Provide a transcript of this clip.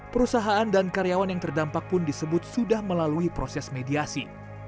perusahaan dan karyawan yang terdampak pun disebut sudah melalui proses mediasi